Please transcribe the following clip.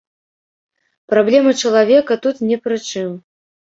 Праблемы чалавека тут не пры чым.